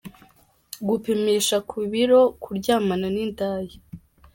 Gupimisha ku biro : kuryamana n’indaya.